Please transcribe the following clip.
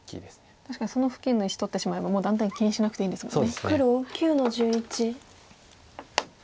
確かにその付近の石取ってしまえばもう断点気にしなくていいんですもんね。